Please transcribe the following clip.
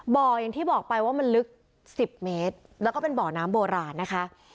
อย่างที่บอกไปว่ามันลึก๑๐เมตรแล้วก็เป็นบ่อน้ำโบราณนะคะ